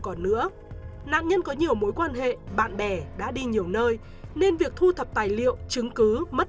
còn nữa nạn nhân có nhiều mối quan hệ bạn bè đã đi nhiều nơi nên việc thu thập tài liệu chứng cứ mất